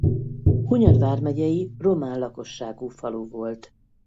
Hunyad vármegyei román lakosságú falu volt.